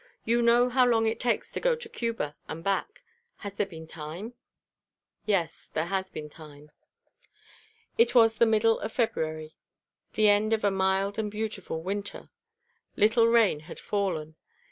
"You know how long it takes to go to Cuba and back. Has there been time?" "Yes, there has been time." It was the middle of February, the end of a mild and beautiful winter. Little rain had fallen.